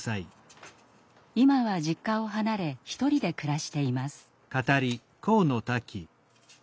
今は実家を離れ１人で暮らしています。